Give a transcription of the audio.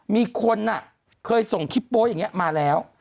มีคนเคยส่งคลิปโป๊ะอย่างนี้มาแล้ว